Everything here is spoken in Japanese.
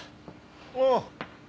ああ。